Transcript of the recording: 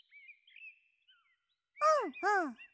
うんうん。